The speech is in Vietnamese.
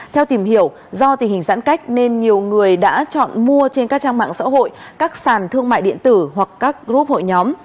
theo tìm hiểu do tình hình giãn cách nên nhiều người đã chọn mua trên các trang mạng xã hội các sàn thương mại điện tử hoặc các group hội nhóm